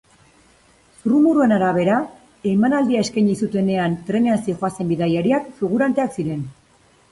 Zurrumurruen arabera, emanaldia eskaini zutenean trenean zihoazen bidaiariak figuranteak ziren.